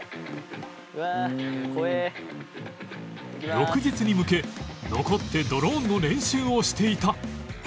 翌日に向け残ってドローンの練習をしていた